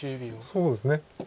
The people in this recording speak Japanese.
そうですね。